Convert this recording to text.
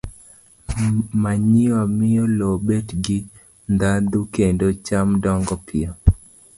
Manyiwa miyo lowo bet gi ndhadhu kendo cham dongo piyo.